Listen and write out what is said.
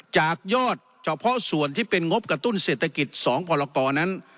จากยอดเฉพาะส่วนที่เป็นงบกระตุ้นเศรษฐกิจ๒พรกรนั้น